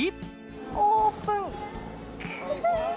オープン！